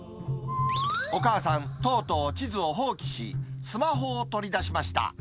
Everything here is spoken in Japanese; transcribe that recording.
お母さん、とうとう地図を放棄し、スマホを取り出しました。